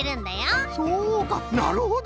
そうかなるほど。